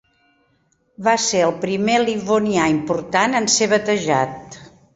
Va ser el primer livonià important en ser batejat.